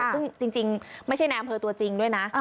ซึ่งจริงไม่ใช่ในอำเภอตัวจริงด้วยนะ